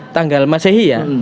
tanggal masehi ya